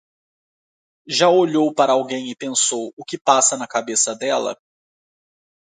Já olhou para alguém e pensou, o que passa na cabeça dela?